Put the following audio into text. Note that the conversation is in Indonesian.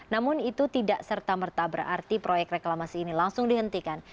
namun itu tidak serta merta berarti proyek reklamasi ini langsung dihentikan